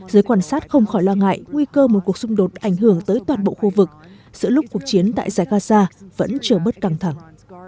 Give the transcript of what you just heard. giới quan sát không khỏi lo ngại nguy cơ một cuộc xung đột ảnh hưởng tới toàn bộ khu vực giữa lúc cuộc chiến tại giải gaza vẫn chưa bớt căng thẳng